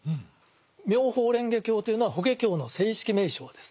「妙法蓮華経」というのは「法華経」の正式名称です。